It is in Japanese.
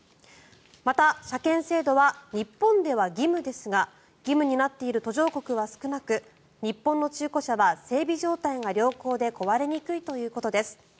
また、車検制度は日本では義務ですが義務になっている途上国は少なく日本の中古車は整備状態が良好で壊れにくいということです。